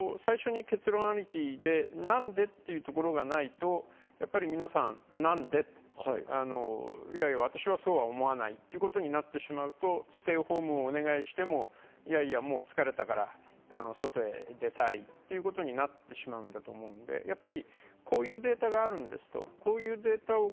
最初に結論ありきでなんでっていうところがないと、やっぱり皆さん、なので私はそうは思わないっていうことになってしまうと、ステイホームをお願いしても、もう疲れたから、外へ出たいっていうことになってしまうんだと思うので、こういうデータがあるんです。